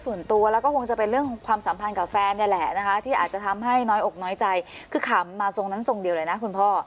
ส่วนตัวแล้วก็คงจะเป็นเรื่องความสัมพันธ์กับแฟนเนี่ยแหละนะคะที่อาจจะทำให้น้อยอกน้อยใจคือขำมาทรงนั้นทรงเดียวเลยนะคุณพ่อ